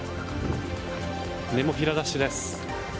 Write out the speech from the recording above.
ネモフィラダッシュです。